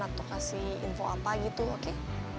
atau kasih info apa gitu oke